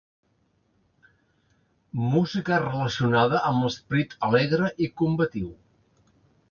Música relacionada amb l’esperit alegre i combatiu.